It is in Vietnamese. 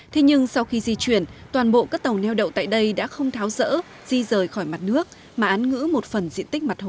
thế nhưng sau khi di chuyển toàn bộ các tàu neo đậu tại đây đã không tháo rỡ di rời khỏi mặt nước mà án ngữ một phần diện tích mặt hồ